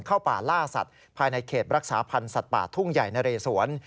เข้าป่าล่าสัตว์ภายในเขตรักษาพันธ์สัตว์ป่าทุ่งใหญ่นะเรสวน